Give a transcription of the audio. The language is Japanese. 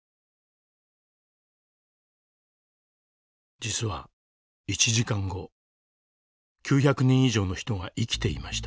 実は１時間後９００人以上の人が生きていました。